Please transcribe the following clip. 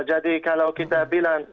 jadi kalau kita bilang